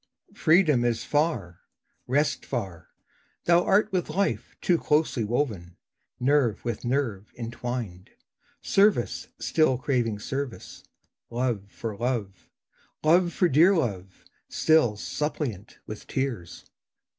Freedom is far, rest far. Thou art with life Too closely woven, nerve with nerve intwined; Service still craving service, love for love, Love for dear love, still suppliant with tears.